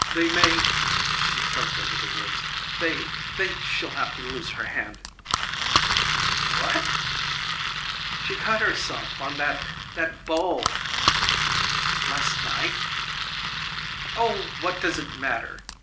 They may" she choked over the words "they think she'll have to lose her hand." "What?" "She cut herself on that that bowl." "Last night?" "Oh, what does it matter?"